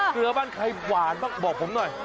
เกลือบ้านใครหวานบ้างบอกผมหน่อย